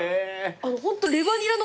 ホント。